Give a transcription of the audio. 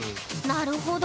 なるほど。